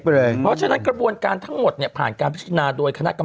เพราะฉะนั้นกระบวนการทั้งหมดเนี่ยผ่านการพิจารณาโดยคณะกรรม